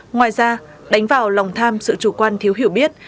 ngoài ra đánh vào lòng tham sự chủ quan thiếu hiểu biết